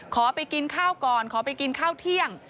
ขอไปกินข้าวก่อนขอไปกินข้าวเที่ยง